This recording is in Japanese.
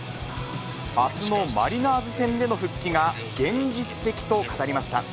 あすのマリナーズ戦での復帰が現実的と語りました。